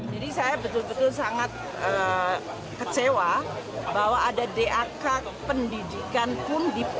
jadi saya betul betul sangat kecewa bahwa ada dak pendidikan pun dipengaruhi